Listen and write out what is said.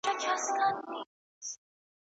څوک چي د خپلو لوڼو سره احسان وکړي.